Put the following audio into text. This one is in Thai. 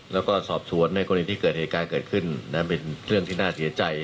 แล้วก็สอบสวนในกรณีที่เกิดเหตุการณ์เกิดขึ้นเป็นเรื่องที่น่าเสียใจ